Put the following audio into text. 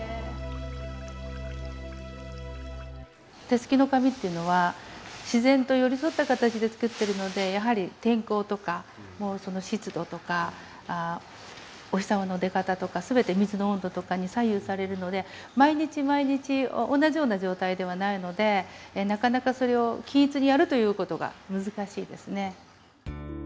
手漉きの紙っていうのは自然と寄り添った形で作ってるのでやはり天候とか湿度とかお日様の出方とか全て水の温度とかに左右されるので毎日毎日同じような状態ではないのでなかなかそれを均一にやるという事が難しいですね。